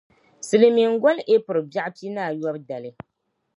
silimiingoli April bɛɣu pinaayɔbu dali.